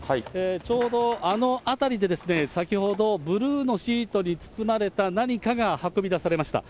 ちょうどあの辺りで、先ほど、ブルーのシートに包まれた何かが運び出されました。